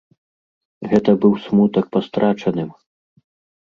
Гэта быў смутак па страчаным.